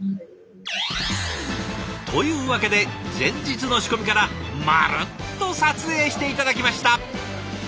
というわけで前日の仕込みから丸っと撮影して頂きました！